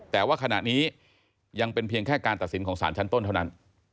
แต่ว่าขณะนี้ยังเป็นเพียงแค่การตัดสินของสารชั้นต้นเท่านั้น